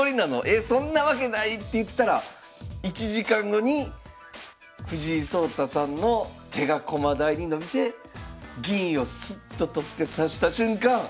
えそんなわけないって言ったら１時間後に藤井聡太さんの手が駒台に伸びて銀をスッと取って指した瞬間